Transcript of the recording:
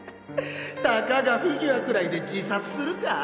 たかがフィギュアくらいで自殺するか？